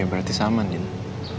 ya berarti sama nih